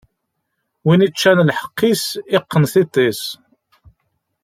Win iččan lḥeqq-is, iqqen tiṭ-is!